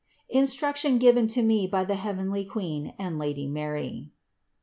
INSTRUCTION GIVEN TO ME BY THE HEAVENLY QUEEN AND LADY MARY.